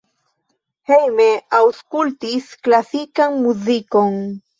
Hejme aŭskultis klasikan muzikon.